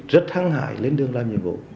rất thăng hải lên đường làm nhiệm vụ